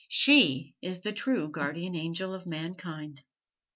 She is the true guardian angel of mankind!